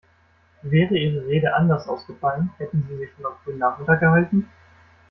Wäre Ihre Rede anders ausfallen, hätten Sie sie schon am frühen Nachmittag gehalten?